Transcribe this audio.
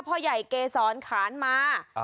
พ่อใหญ่เกษรขานมา